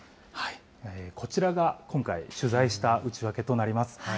こちらが今回取材した内訳となります。